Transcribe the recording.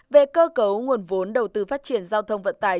về cơ cấu nguồn vốn đầu tư phát triển giao thông vận tải